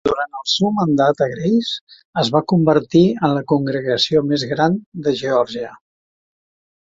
Durant el seu mandat a Grace, es va convertir en la congregació més gran de Geòrgia.